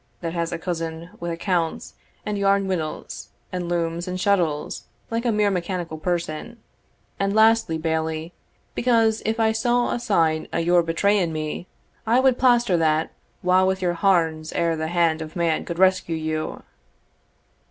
that has a cousin wi' accounts, and yarn winnles, and looms and shuttles, like a mere mechanical person; and lastly, Bailie, because if I saw a sign o' your betraying me, I would plaster that wa' with your harns ere the hand of man could rescue you!"